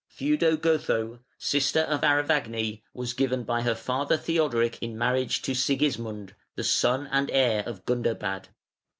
Theudegotho, sister of Arevagni, was given by her father, Theodoric in marriage to Sigismund, the son and heir of Gundobad.